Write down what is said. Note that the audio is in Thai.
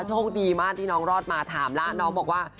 โชคดีมากที่น้องรอดมาถามแล้วน้องบอกว่า